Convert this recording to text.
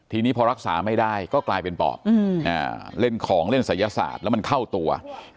ทีนี้พอรักษาไม่ได้ก็กลายเป็นปอบเล่นของเล่นศัยศาสตร์แล้วมันเข้าตัว